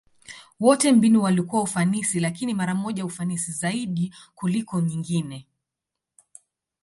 Wote mbinu walikuwa ufanisi, lakini mara moja ufanisi zaidi kuliko nyingine.